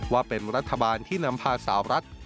ว่าเป็นรัฐบาลที่นำพาสาวรัฐ